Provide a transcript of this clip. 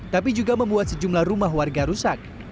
tapi juga membuat sejumlah rumah warga rusak